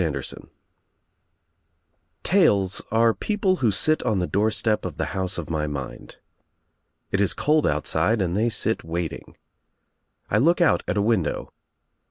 1 '^ T u TaUt art ftopU who tU on the doorttep of the house of my mind. It is cold otttsidr and they sit uiailing. I look out at a windov.